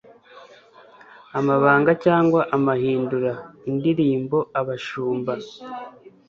Amabanga cyangwa amahindura: Indirimbo abashumba